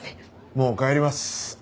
もう帰ります。